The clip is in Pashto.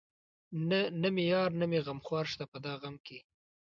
نه مې يار نه مې غمخوار شته په دا غم کې